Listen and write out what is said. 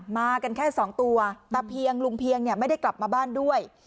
มากันแค่สองตัวตะเพียงลุงเพียงเนี่ยไม่ได้กลับมาบ้านด้วย